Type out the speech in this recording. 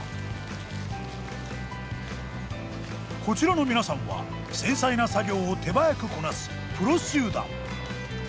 こちらの皆さんは繊細な作業を手早くこなすプロ集団。